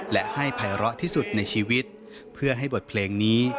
และให้ภัยร้อที่สุดในชีวิตเพื่อให้บทเพลงนี้